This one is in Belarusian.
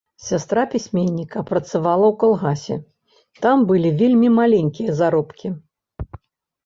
Сястра пісьменніка працавала ў калгасе, там былі вельмі маленькія заробкі.